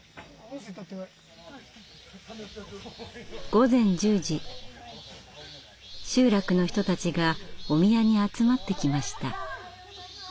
午前１０時集落の人たちがお宮に集まってきました。